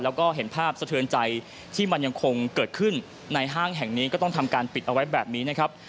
แล้วก็เห็นภาพสะเทือนใจที่มันยังคงเกิดขึ้นในห้างแห่งนี้ก็ต้องทำการปิดเอาไว้แบบนี้นะครับ